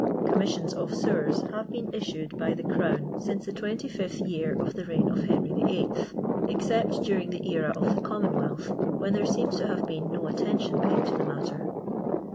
Commis sions of sewers have been issued bv the Crown eince the 2.'>th yc; ir of the reign of Jlenrj VIIL, except duiing the era of the Commonwealth, when there seems to have been no attention paid to the matter.